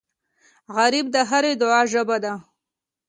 غریب د هرې دعا ژبه ده